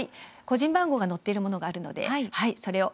個人番号が載っているものがあるのでそれを。